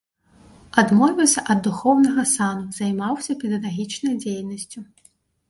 Адмовіўся ад духоўнага сану, займаўся педагагічнай дзейнасцю.